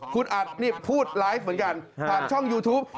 คุณอัดนี่พูดไลฟ์เหมือนกันผ่านช่องยูทูป